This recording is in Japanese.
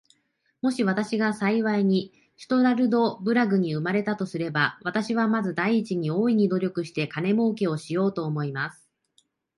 もし私が幸いにストラルドブラグに生れたとすれば、私はまず第一に、大いに努力して金もうけをしようと思います。